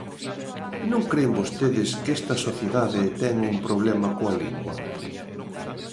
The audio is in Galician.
¿Non cren vostedes que esta sociedade ten un problema coa lingua?